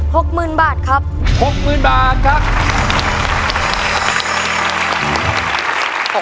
หกหมื่นบาทครับหกหมื่นบาทครับ